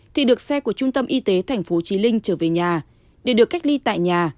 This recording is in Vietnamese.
thì được xe của trung tâm y tế tp hcm trở về nhà để được cách ly tại nhà